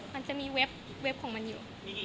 มันจะมีเว็บของมันอยู่